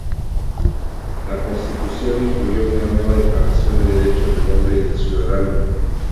La Constitución incluyó una nueva declaración de derechos del hombre y del ciudadano.